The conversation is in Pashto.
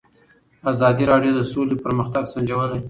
ازادي راډیو د سوله پرمختګ سنجولی.